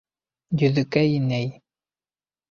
— Йөҙөкәй инәй...